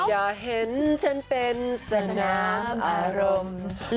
อย่าเห็นฉันเป็นสนามอารมณ์